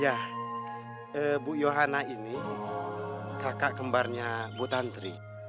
ya bu yohana ini kakak kembarnya bu tantri